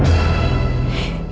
aksan cocok sama darahku